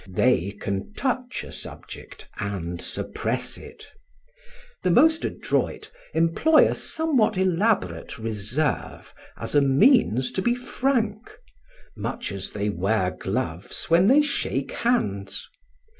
They can touch a subject and suppress it. The most adroit employ a somewhat elaborate reserve as a means to be frank, much as they wear gloves when they shake hands.